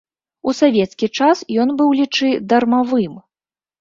У савецкі час ён быў, лічы, дармавым.